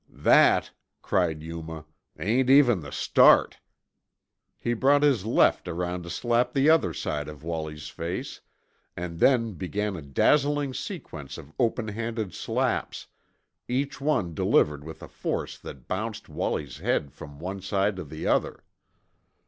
"That," cried Yuma, "ain't even the start!" He brought his left around to slap the other side of Wallie's face, and then began a dazzling sequence of open handed slaps, each one delivered with a force that bounced Wallie's head from one side to the other.